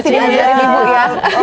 ah diantar di ibu ya